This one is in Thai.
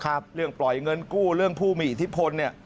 เรื่องปล่อยเงินกู้เรื่องผู้มีอิทธิพลเนี่ย